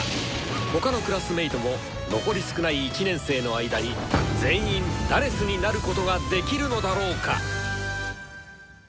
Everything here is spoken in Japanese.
他のクラスメートも残り少ない１年生の間に全員「４」になることができるのだろうか？